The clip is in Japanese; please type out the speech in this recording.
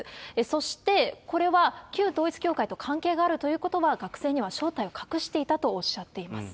そしてこれは、旧統一教会と関係があるということは、学生には正体を隠していたとおっしゃっています。